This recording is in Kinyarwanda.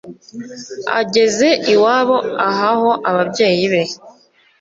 ageze iwabo ahaho ababyeyi be